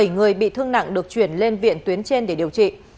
bảy người bị thương nặng được chuyển lên viện tuyến trên để điều trị